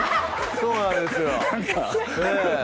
そうなんですよええ